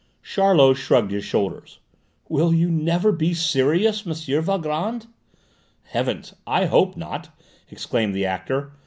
Charlot shrugged his shoulders. "Will you never be serious, M. Valgrand?" "Heavens, I hope not!" exclaimed the actor.